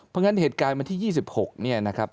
เพราะฉะนั้นเหตุการณ์วันที่๒๖เนี่ยนะครับ